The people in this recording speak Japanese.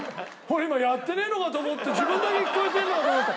今やってねえのかと思って自分だけ聞こえてるのかと思った。